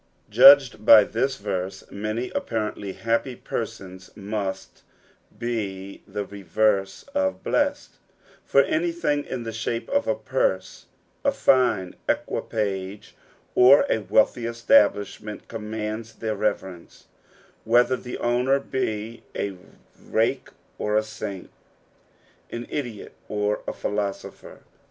(Judged by this verse, manj apparently happj persons must bo the reverse of blessed, for anything in thu shape of a purse, a fine equipage, or a wealthy establishment, commands their reverence, whether the owner be a rake or a saint, an idiot or a philosopher.